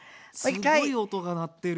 すごい音が鳴ってる。